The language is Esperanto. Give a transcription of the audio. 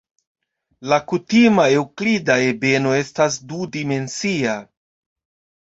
La kutima eŭklida ebeno estas du-dimensia.